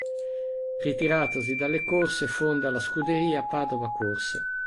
Ritiratosi dalle corse, fonda la "Scuderia Padova Corse".